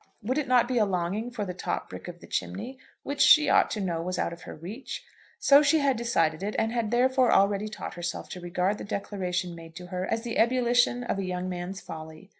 Would it not be a longing for the top brick of the chimney, which she ought to know was out of her reach? So she had decided it, and had therefore already taught herself to regard the declaration made to her as the ebullition of a young man's folly.